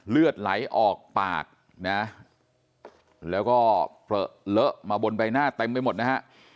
เลือดไหลออกปากนะแล้วก็เปลือมาบนใบหน้าเต็มไปหมดนะฮะ